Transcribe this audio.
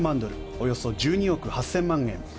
およそ１２億８０００万円。